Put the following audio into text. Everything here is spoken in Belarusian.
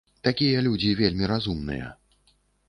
Такія людзі вельмі разумныя.